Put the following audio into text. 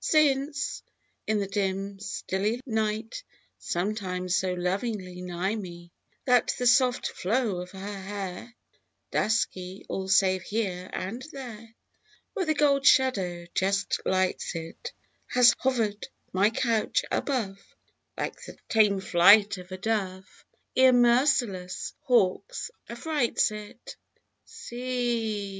Since, in the dim stilly night Sometimes so lovingly nigh me, That the soft flow of her hair (Dusky, all save here and there Where the gold shadow just lights it), Has hover'd my couch above, Like the tame flight of a dove Ere merciless hawk aflrights it ! C .